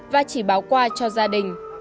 và chỉ báo qua cho gia đình